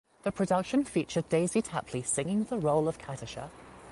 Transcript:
The production featured Daisy Tapley singing the role of "Katisha".